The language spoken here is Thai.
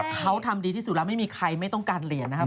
เขาทำดีที่สุดแล้วไม่มีใครไม่ต้องการเหรียญนะครับ